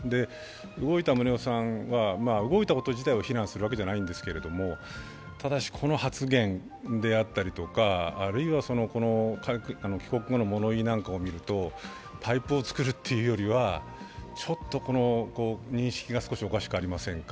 動いた宗男さんは動いたこと自体を非難するわけじゃないですけどただしこの発言であったりとかあるいは帰国後の物言いなんかを見ると、パイプを作るというよりは少し認識がおかしくありませんか？